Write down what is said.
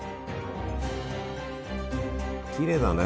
きれいだね。